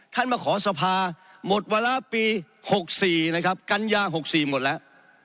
ท่านมาขอสภาหมดเวลาปี๖๔นะครับกันย่าง๖๔หมดแล้ว